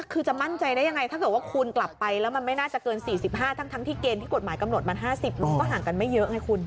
คือจะมั่นใจได้ยังไงถ้าเกิดว่าคุณกลับไปแล้วมันไม่น่าจะเกิน๔๕ทั้งที่เกณฑ์ที่กฎหมายกำหนดมัน๕๐มันก็ห่างกันไม่เยอะไงคุณ